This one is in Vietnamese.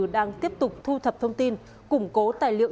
đang tiếp tục thu thập thông tin củng cố tài liệu